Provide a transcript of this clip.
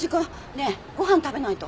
ねえご飯食べないと。